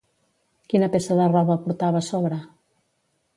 Quina peça de roba portava a sobre?